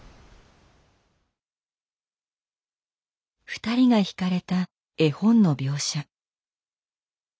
２人が引かれた絵本の描写。